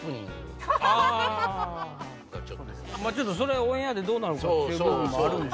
ちょっとそれオンエアでどうなるかって部分もあるんで。